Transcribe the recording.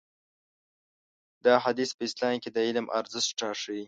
دا حديث په اسلام کې د علم ارزښت راښيي.